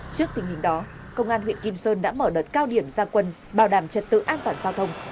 trước tình hình đó công an huyện kim sơn đã mở đợt cao điểm gia quân bảo đảm trật tự an toàn giao thông